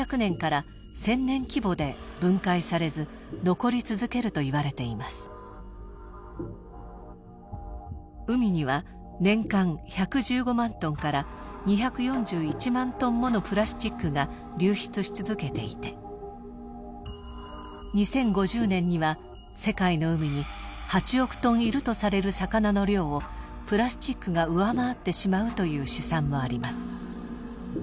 今の状況がもし続いた場合つまり環境中に海には年間１１５万トンから２４１万トンものプラスチックが流出し続けていて２０５０年には世界の海に８億トンいるとされる魚の量をプラスチックが上回ってしまうという試算もあります。